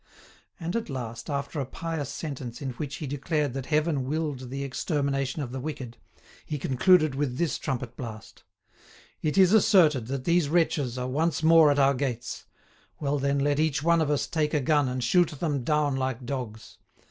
And at last, after a pious sentence in which he declared that Heaven willed the extermination of the wicked, he concluded with this trumpet blast: "It is asserted that these wretches are once more at our gates; well then let each one of us take a gun and shoot them down like dogs.